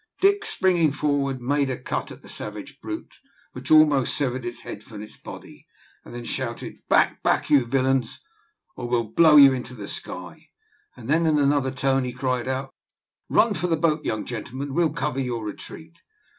Dick, springing forward, made a cut at the savage brute, which almost severed its head from its body, and then shouted, "Back, back, you villains, or we'll blow you into the sky!" and then, in another tone, he cried out, "Run for the boat, young gentlemen, we'll cover your retreat."